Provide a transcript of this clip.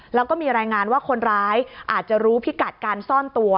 แล้วก็มีรายงานว่าคนร้ายอาจจะรู้พิกัดการซ่อนตัว